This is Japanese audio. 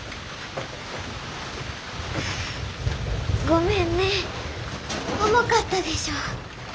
ごめんね重かったでしょ。